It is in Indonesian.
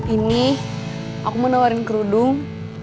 ini aku mau nawarin kerudung